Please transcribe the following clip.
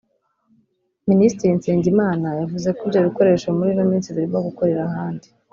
Minisitiri Nsengimana yavuze ko ibyo bikoresho muri ino minsi birimo gukorera ahandi